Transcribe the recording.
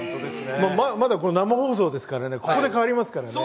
まだ生放送ですからね、ここで変わりますからね。